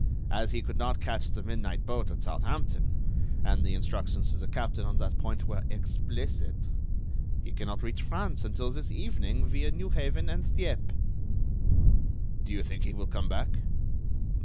As he could not catch the midnight boat at Southampton—and the instructions to the captain on that point were explicit—he cannot reach France until this evening via Newhaven and Dieppe." "Do you think he will come back?"